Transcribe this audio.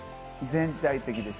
全体的にです。